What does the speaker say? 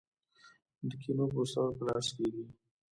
د کینو پوستول په لاس کیږي.